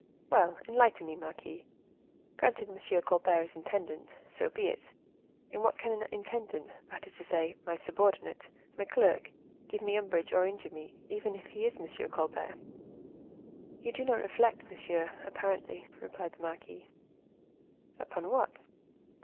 "Well, enlighten me, marquise; granted Monsieur Colbert is intendant—so be it. In what can an intendant, that is to say my subordinate, my clerk, give me umbrage or injure me, even if he is Monsieur Colbert?" "You do not reflect, monsieur, apparently," replied the marquise. "Upon what?"